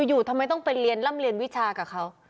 อยู่ทำไมต้องไปเรียนร่ำเรียนวิชากับเขา